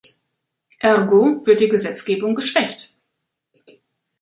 Ergo wird die Gesetzgebung geschwächt.